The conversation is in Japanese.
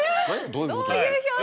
どういう表情？